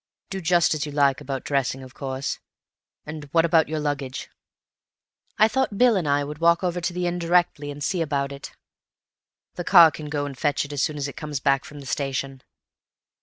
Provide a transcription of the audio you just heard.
Do just as you like about dressing, of course. And what about your luggage?" "I thought Bill and I would walk over to the inn directly, and see about it." "The car can go and fetch it as soon as it comes back from the station."